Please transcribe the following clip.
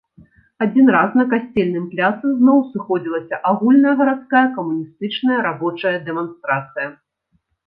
Адзін раз на касцельным пляцы зноў сыходзілася агульная гарадская камуністычная рабочая дэманстрацыя.